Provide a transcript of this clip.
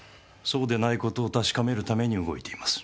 そうでない事を確かめるために動いています。